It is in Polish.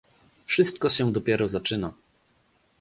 Wszystko się dopiero zaczyna